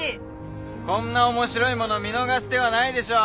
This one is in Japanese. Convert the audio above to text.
こんな面白いもの見逃す手はないでしょ。